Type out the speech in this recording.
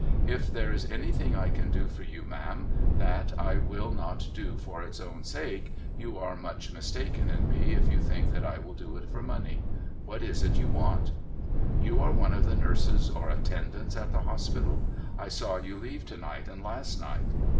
' If there is anything I can do for you, ma'am, that I will not do for its own sake, you are much mistaken in me if you think that I will do it for money. What is it you want ?'' You are one of the nurses or attendants at the Hospital ; I saw you leave to night and last night.'